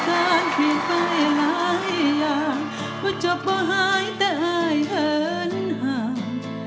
จัดไม่ได้เพียงใส่หลายอย่างไม่จบไปหายแต่เอ้ยเผินห่าง